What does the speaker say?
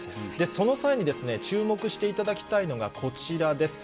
その際に、注目していただきたいのがこちらです。